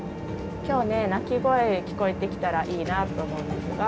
今日ね鳴き声聞こえてきたらいいなと思うんですが。